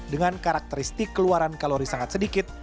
dengan karakteristik keluaran kalori sangat sedikit